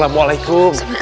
mengerti pak ustaz